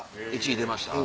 １位出ました？